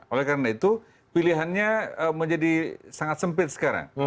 oleh karena itu pilihannya menjadi sangat sempit sekarang